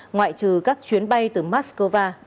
ngoại trừ các chuyến bay từ moscow